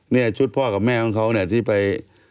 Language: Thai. เนี่ยชุดพ่อกับแม่ของเขาเนี่ยที่ไป